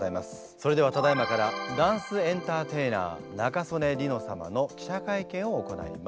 それではただいまからダンスエンターテイナー仲宗根梨乃様の記者会見を行います。